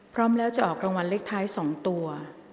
พร้อมแล้วจะออกรางวัลเลขท้าย๒ตัว